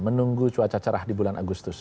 menunggu cuaca cerah di bulan agustus